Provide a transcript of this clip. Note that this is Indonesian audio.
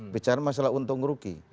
bicara masalah untung rugi